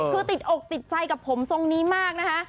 คือติดอกติดใจกับผมทรงนี้มากนะคะ